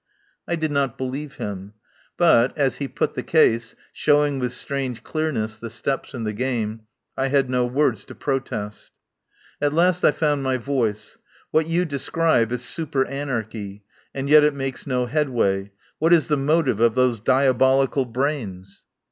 I did not believe him, but, as he put the case, showing with strange clearness the steps in the game, I had no words to protest. At last I found my voice. "What you describe is super anarchy, and yet it makes no headway. What is the motive of those diabolical brains?"